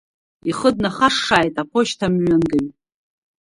Ихы днахашшааит аԥошьҭамҩангаҩ.